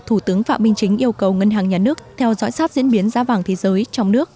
thủ tướng phạm minh chính yêu cầu ngân hàng nhà nước theo dõi sát diễn biến giá vàng thế giới trong nước